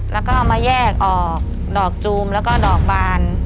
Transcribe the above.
แล้วก็เอามาแยกออกดอกจูมแล้วก็ดอกบาน